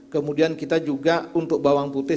kemudian kita juga untuk bawang putih